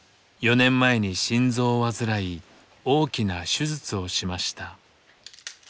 ４年前に心臓を患い大きな手術をしました。